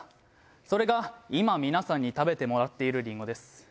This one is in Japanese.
それが今皆さんに食べてもらっているりんごです。